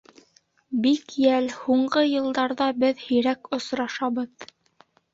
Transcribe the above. Бик йәл, һуңғы йылдарҙа беҙ һирәк осрашабыҙ.